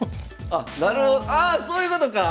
なるほどああそういうことか！